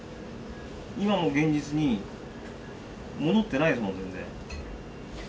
今も現実に戻ってないですもん、全然。